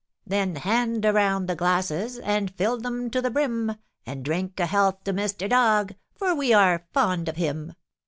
Then hand around the glasses And fill them to the brim, And drink a health to Mr. Dog, For we are fond of him.